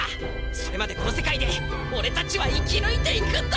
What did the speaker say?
それまでこのせかいでオレたちはいきぬいていくんだ！